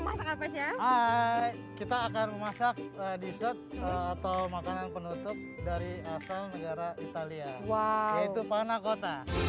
masak apanya kita akan memasak di set atau makanan penutup dari asal negara italia wow